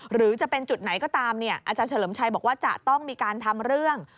หรือจะเป็นจุดไหนก็ตามอาจารย์เฉลิมชัยบอกว่าจะต้องมีการทำเรื่อง